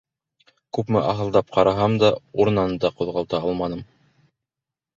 Күпме аһылдап ҡараһам да, урынынан да ҡуҙғалта алманым.